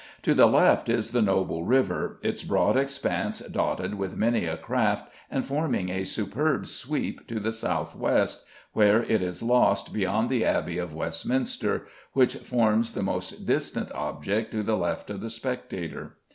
To the left is the noble river, its broad expanse dotted with many a craft, and forming a superb sweep to the south west, where it is lost beyond the Abbey of Westminster, which forms the most distant object to the left of the spectator.